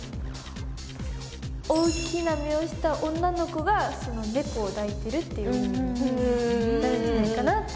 大きな目をした女の子が猫を抱いてるっていう意味になるんじゃないかなって。